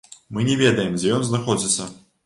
Мы не ведаем, дзе ён знаходзіцца.